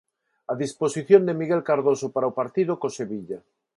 A disposición de Miguel Cardoso para o partido co Sevilla.